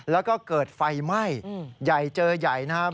แล้วก็เกิดไฟไหม้ใหญ่เจอใหญ่นะครับ